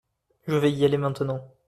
Je vais y aller maintenant.